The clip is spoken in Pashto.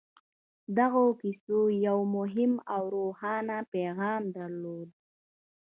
دغو کيسو يو مهم او روښانه پيغام درلود.